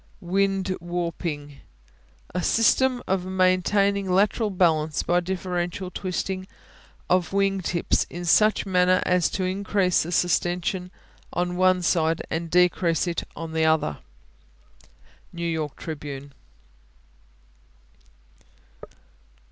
Wing Warping A system of maintaining lateral balance by differential twisting of wing tips in such manner as to increase the sustension on one side and decrease it on the other. New York Tribune.